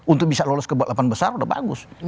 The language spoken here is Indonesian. untuk bisa lolos ke balapan besar sudah bagus